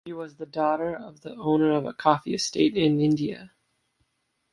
She was the daughter of the owner of a coffee estate in India.